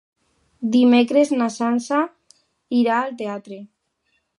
Dimecres na Sança irà al teatre.